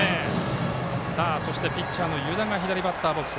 そして、ピッチャーの湯田が左バッターボックス。